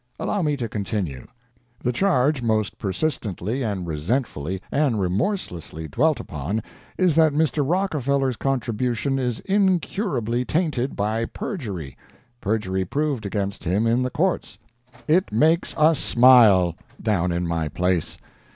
Allow me to continue. The charge most persistently and resentfully and remorselessly dwelt upon is that Mr. Rockefeller's contribution is incurably tainted by perjury perjury proved against him in the courts. It makes us smile down in my place!